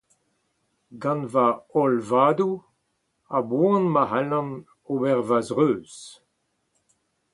gant va holl vadoù, a-boan ma c'hallan ober va zreuz